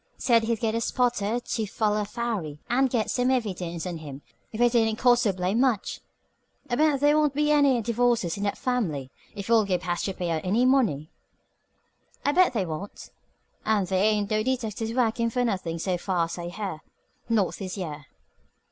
Said he'd get a spotter to foller Farry and get some evidence on him if it didn't cost so blame much. I bet the' won't be any divorces in that family if old Gabe has to pay out any money." "I bet they won't. And the' ain't no detectives workin' for nothin' so far as I hear. Not this year."